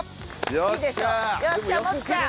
よっしゃもっちゃん！